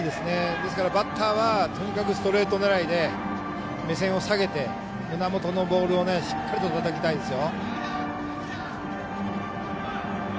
ですからバッターはとにかくストレート狙いで目線を下げて胸元のボールをしっかりたたきたいですよ。